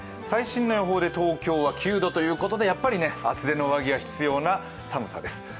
最新の予報で東京は９度ということでやっぱり厚手の上着が必要な寒さです。